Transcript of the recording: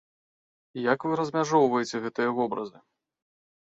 Як вы размяжоўваеце гэтыя вобразы?